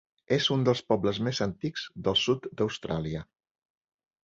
És un dels pobles més antics del sud d'Austràlia.